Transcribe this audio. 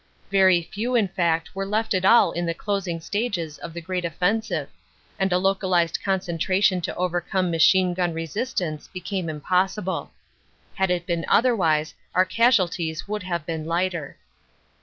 Very few in fact were left at all in the closing stages of the great offensive, and a localized concentration to over LESSONS OF THE BATTLE 91 come machine gun resistance became impossible. Had it been otherwise our casualties would have been lighter.